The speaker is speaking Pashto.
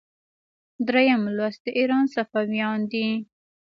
دریم لوست د ایران صفویان دي.